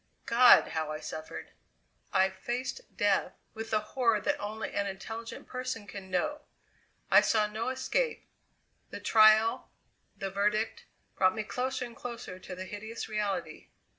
God! how I suffered! I faced death with the horror that only an intelligent person can know. I saw no escape. The trial, the verdict, brought me closer and closer to the hideous reality.